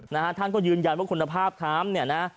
นะฮะท่านก็ยืนยันว่าคุณภาพค้ามเนี่ยนะ